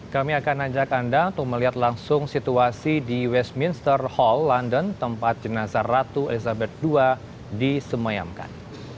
kami akan ajak anda untuk melihat langsung situasi di westminster hall london tempat jenazah ratu elizabeth ii disemayamkan